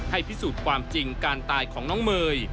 พิสูจน์ความจริงการตายของน้องเมย์